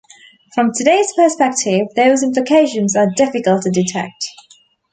From today's perspective those implications are difficult to detect.